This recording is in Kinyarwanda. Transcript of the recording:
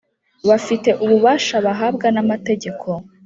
bafite ububasha bahabwa n amategeko